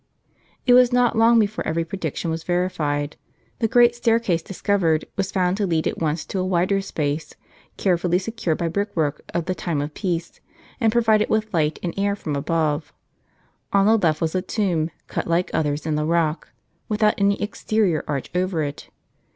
It was not long before every prediction was verified. The great staircase discovered * was found to lead at once to a wider space, carefully secured by brick work of the time of peace, and provided with light and air from above. On the left was a tomb, cut like others in the rock, without any exterior arch over it.